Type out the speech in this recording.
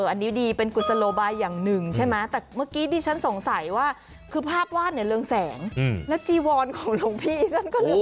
อันนี้ดีเป็นกุศโลบายอย่างหนึ่งใช่ไหมแต่เมื่อกี้ดิฉันสงสัยว่าคือภาพว่านเหลืองแสงแล้วจีวรของหลวงพี่ท่านก็เหลืองแห่งด้วย